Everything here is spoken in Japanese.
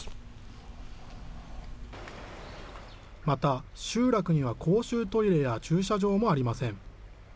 また、集落には公衆トイレや駐車場もありません。